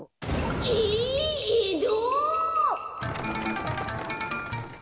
え！えど！？